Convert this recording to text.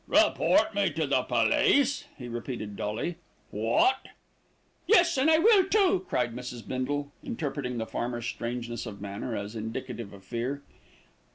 "Report me to the police," he repeated dully. "What " "Yes, and I will too," cried Mrs. Bindle, interpreting the farmer's strangeness of manner as indicative of fear.